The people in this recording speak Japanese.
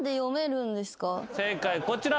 正解こちら。